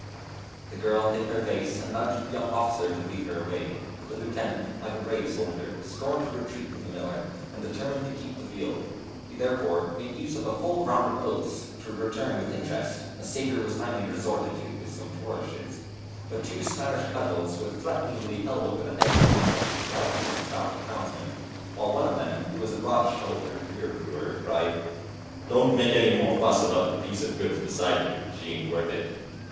The girl hid her face, and nudged the young officer to lead her away. But the lieutenant, like a brave soldier, scorned to retreat from the miller, and determined to keep the field. He therefule made use of a full round of oaths, which were returned with interest, and a sabre was finally resorted to, with some flourishes; but two Spanish cudgels were threateningly held over the head of the lieutenant by a couple of stout townsmen, while one of them, who was a broad shouldered beer brewer, cried: "Don't make any more fuss about the piece of goods beside you she ain't worth it.